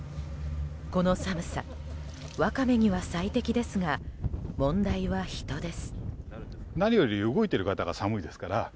この寒さ、ワカメには最適ですが問題は人です。